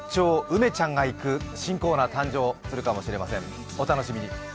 梅ちゃんがいく」、新コーナーが誕生するかもしれません、お楽しみに。